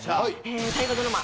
大河ドラマ